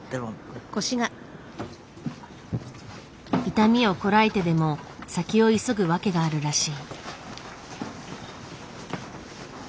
痛みをこらえてでも先を急ぐ訳があるらしい。